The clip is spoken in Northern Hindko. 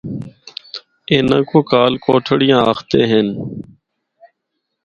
اِنّاں کو کال کوٹھڑیاں آخدے ہن۔